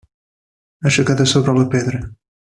Aixecada sobre la pedra.